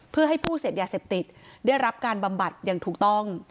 เพื่อให้ผู้เสพยาเสพติดได้รับการบำบัดอย่างถูกต้อง